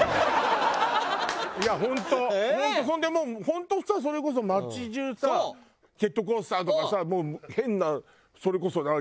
それでもう本当さそれこそ街じゅうさジェットコースターとかさもう変なそれこそ何？